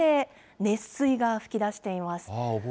熱水が噴き出しています。